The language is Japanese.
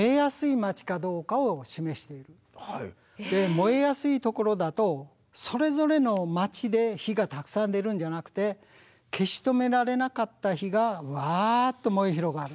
燃えやすいところだとそれぞれの街で火がたくさん出るんじゃなくて消し止められなかった火がワーッと燃え広がる。